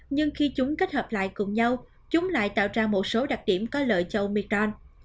nhưng khi chúng kết hợp lại cùng nhau chúng lại tạo ra một số đặc điểm có lợi cho oecron